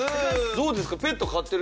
どうですか？